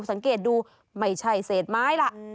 สังเกตดูไม่ใช่เศษไม้ล่ะ